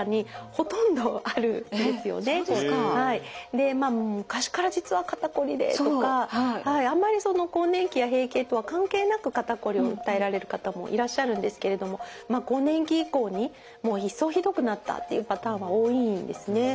でまあ昔から実は肩こりでとかあんまり更年期や閉経とは関係なく肩こりを訴えられる方もいらっしゃるんですけれども更年期以降に一層ひどくなったっていうパターンは多いんですね。